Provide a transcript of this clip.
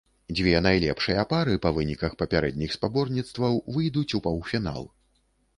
Дзве найлепшыя пары па выніках папярэдніх спаборніцтваў выйдуць у паўфінал.